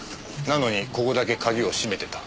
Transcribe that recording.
なのにここだけ鍵を閉めてた。